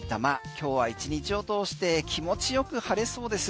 今日は１日を通して気持ちよく晴れそうです。